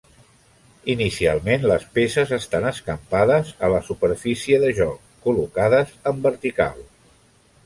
Inicialment, les peces estan escampades a la superfície de joc, col·locades en vertical.